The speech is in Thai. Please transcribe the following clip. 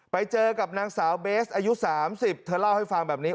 ไปเจอกับนางสาวเบสอายุ๓๐เธอเล่าให้ฟังแบบนี้